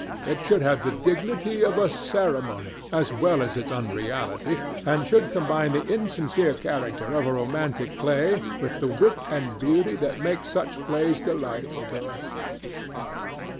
It should have the dignity of a ceremony, as well as its unreality, and should combine the insincere character of a romantic play with the wit and beauty that make such plays delightful to us.